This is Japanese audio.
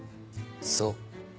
そう。